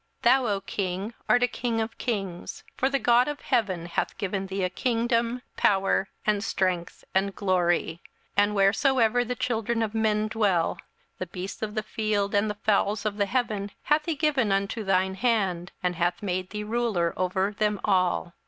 27:002:037 Thou, O king, art a king of kings: for the God of heaven hath given thee a kingdom, power, and strength, and glory. 27:002:038 And wheresoever the children of men dwell, the beasts of the field and the fowls of the heaven hath he given into thine hand, and hath made thee ruler over them all.